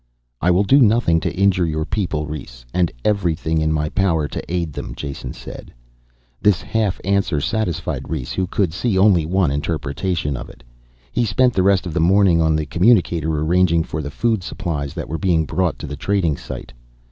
"I will do nothing to injure your people, Rhes and everything in my power to aid them," Jason said. This half answer satisfied Rhes, who could see only one interpretation of it. He spent the rest of the morning on the communicator, arranging for the food supplies that were being brought to the trading site.